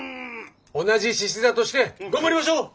同じしし座として頑張りましょう！